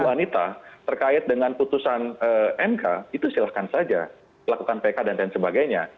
ibu anita terkait dengan putusan mk itu silahkan saja lakukan pk dan sebagainya